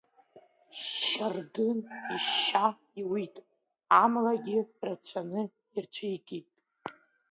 Шьардын ишьа иуит, амалгьы рацәаны ирцәигеит.